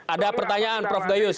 ada pertanyaan prof gayus